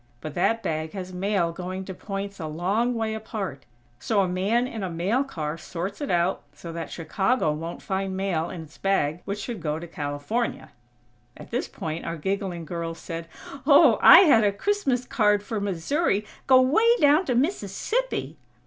But that bag has mail going to points a long way apart, so a man in a mail car sorts it out, so that Chicago won't find mail in its bag which should go to California." At this point our giggling girl said: "Ooooo! I had a Christmas card for Missouri go way down to Mississippi!"